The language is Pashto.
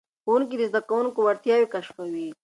ښوونکي د زده کوونکو وړتیاوې کشفوي.